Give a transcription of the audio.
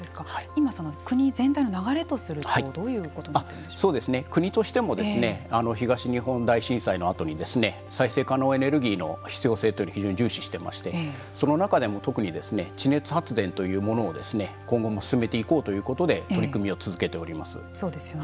今、国全体の流れとすると国としても東日本大震災のあとに再生可能エネルギーの必要性というのを非常に重視してましてその中でも特に地熱発電というものを今後も進めていこうということで取り組みを続けております。